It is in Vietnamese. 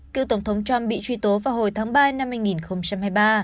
cựu tổng thống trump bị truy tố vào hồi tháng ba năm hai nghìn hai mươi ba